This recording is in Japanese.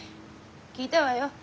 聞いたわよ。